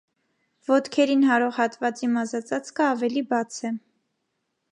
Ոտքերին հարող հատվածի մազածածկը ավելի բաց է։